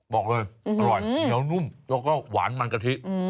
บอกเลยอร่อยเหนียวนุ่มแล้วก็หวานมันกะทิ